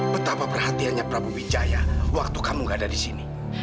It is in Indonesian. betapa perhatiannya prabu wijaya waktu kamu gak ada di sini